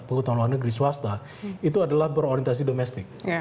penghutang luar negeri swasta itu adalah berorientasi domestik